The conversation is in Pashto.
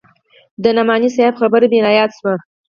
د نعماني صاحب خبره مې راياده سوه.